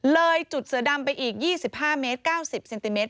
เลยจุดเสือดำไปอีก๒๕เมตร๙๐เซนติเมตร